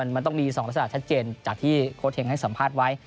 มันต้องมี๒ลักษณะชัดเจนจากที่โค้ชเฮงให้สัมภาษณ์ไว้